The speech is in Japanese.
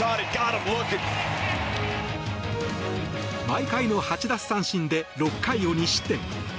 毎回の８奪三振で６回を２失点。